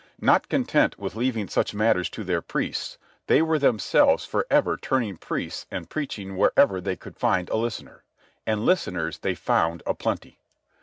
Not content with leaving such matters to their priests, they were themselves for ever turning priests and preaching wherever they could find a listener. And listeners they found a plenty.